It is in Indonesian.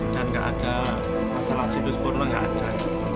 dan gak ada masalah situs porno gak ada